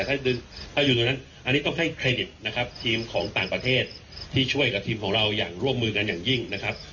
ถ้าอยู่ตรงนั้นอันนี้ต้องให้เครดิตนะครับทีมของต่างประเทศที่ช่วยกับทีมของเราอย่างร่วมมือกันอย่างยิ่งนะครับ